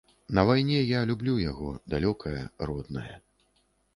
На вайне я люблю яго, далёкае, роднае.